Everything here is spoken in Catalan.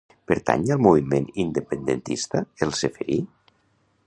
Pertany al moviment independentista el Ceferi?